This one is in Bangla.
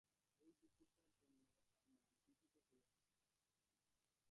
এই দুপুবটার জন্য তার মন তৃষিত হইয়া থাকে।